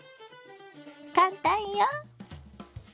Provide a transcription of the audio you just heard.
簡単よ！